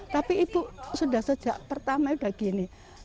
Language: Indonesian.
tapi ibu sejak pertama sudah begini